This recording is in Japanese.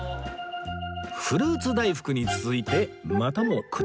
フルーツ大福に続いてまたも果物系ですか